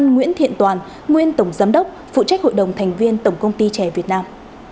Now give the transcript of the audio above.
nguyễn thiện toàn nguyên tổng giám đốc phụ trách hội đồng thành viên tổng công ty trẻ việt nam